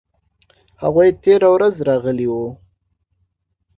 هغوی تیره ورځ راغلي وو